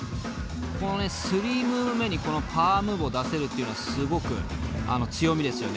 このね３ムーブ目にこのパワームーブを出せるっていうのはすごく強みですよね。